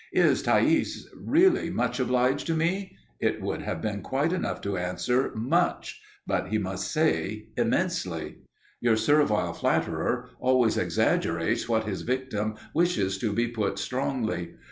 "Is Thais really much obliged to me?" It would have been quite enough to answer "Much," but he must needs say "Immensely." Your servile flatterer always exaggerates what his victim wishes to be put strongly.